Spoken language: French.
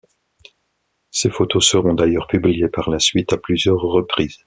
Ces photos seront d'ailleurs publiées par la suite à plusieurs reprises.